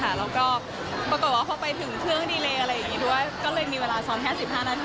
แล้วก็ปรากฎว่าพอไปถึงเครื่องดีเรย์อะไรอย่างงี้ด้วยก็เลยมีเวลาซ้อมแค่สิบห้านาที